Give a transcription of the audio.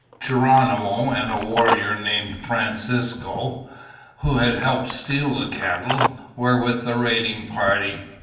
Geronimo and a warrior named Francisco, who had helped steal the cattle, were with the raiding party.